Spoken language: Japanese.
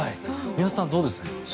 宮田さん、どうです？